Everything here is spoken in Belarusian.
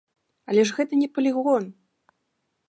Але ж гэта не палігон!